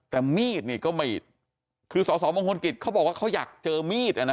แต่มีดนี่ก็ไม่คือสสมงคลกิจเขาบอกว่าเขาอยากเจอมีดอ่ะนะ